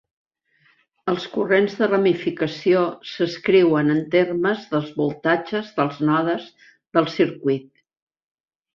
Els corrents de ramificació s'escriuen en termes dels voltatges dels nodes del circuit.